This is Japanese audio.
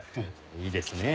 いいですねえ。